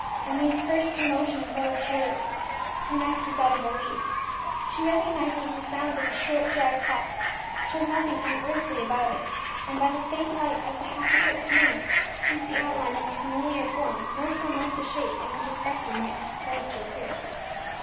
Emmie's first emotion is that of terror, her next is that of relief. She recognizes the sound of a short dry cough, which has nothing unearthly about it; and by the faint light of the half eclipsed moon sees the outline of a familiar form most unlike the shape in which a spectre might be supposed to appear.